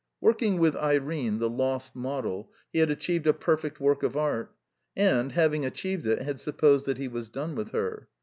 Working with Irene, the lost model, he had achieved a perfect work of art; and, having achieved it, had supposed that he was done with her.